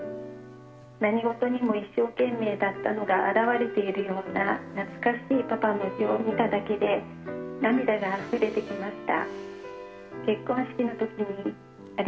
何事にも一生懸命だったのが表れているような懐かしいパパの字を見ただけで涙があふれてきました。